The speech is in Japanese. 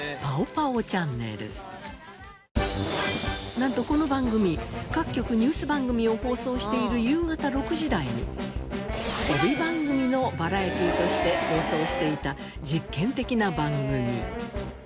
なんとこの番組各局ニュース番組を放送している夕方６時台に帯番組のバラエティーとして放送していた実験的な番組。